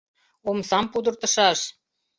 — Омсам пудыртышаш!